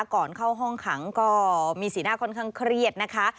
ก่อนเข้าห้องขังก็มีสีหน้าค่อนข้างเครียดนะคะ